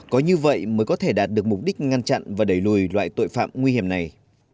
có như vậy mới có thể đạt được mục đích ngăn chặn và đẩy lùi loại tội phạm nguy hiểm này